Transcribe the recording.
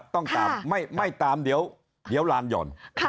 ต้องตามไม่ตามเดี๋ยวลานหย่อน